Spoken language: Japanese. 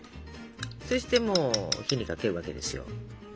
そしてもう火にかけるわけですよ。